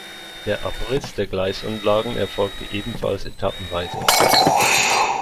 Der Abriss der Gleisanlagen erfolgte ebenfalls etappenweise.